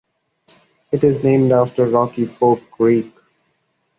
It is named after Rocky Fork Creek.